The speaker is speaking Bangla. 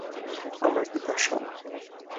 আমরা কি পাষাণ?